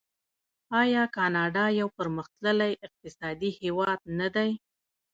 آیا کاناډا یو پرمختللی اقتصادي هیواد نه دی؟